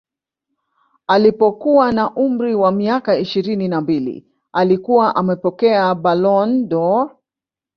Alipokuwa na umri wa miaka ishirini na mbili alikuwa amepokea Ballon dOr